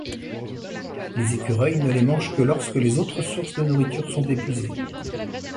Les écureuils ne les mangent que lorsque les autres sources de nourriture sont épuisées.